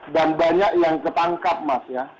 dan banyak yang ketangkap mas ya